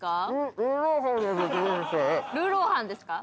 ルーローハンですか？